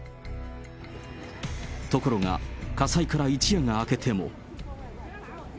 ところが、火災から一夜が明けても。